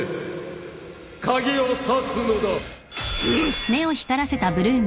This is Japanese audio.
・鍵を挿すのだ！